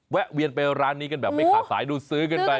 แวนไปร้านนี้กันแบบไม่ขาดสายดูซื้อกันไป